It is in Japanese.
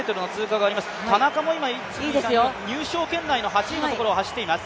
田中も今、入賞圏内の８位のところを走っています。